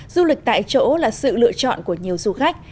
du lịch tại chỗ là sự lựa chọn của nhiều du khách